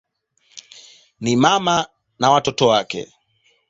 Ni mama na watoto wake.